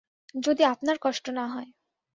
যদি আপনার কষ্ট না হয়।